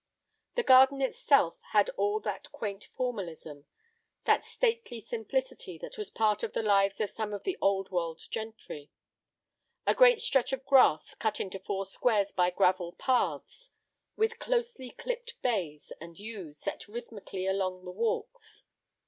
The garden itself had all that quaint formalism, that stately simplicity that was part of the lives of some of the Old World gentry. A great stretch of grass cut into four squares by gravel paths, with closely clipped bays and yews set rhythmically along the walks.